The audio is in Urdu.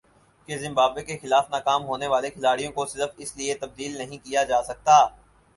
کہ زمبابوے کے خلاف ناکام ہونے والے کھلاڑیوں کو صرف اس لیے تبدیل نہیں کیا جا سکتا